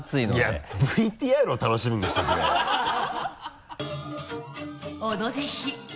いや ＶＴＲ を楽しみにしてくれよハハハ